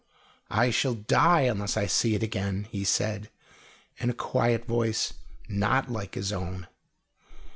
"I shall die, unless I see it again," he said, in a quiet voice not like his own.